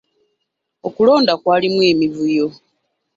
Okulonda kwalimu emivuyo.